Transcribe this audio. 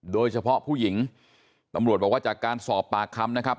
โดยเฉพาะผู้หญิงตำรวจบอกว่าจากการสอบปากคำนะครับ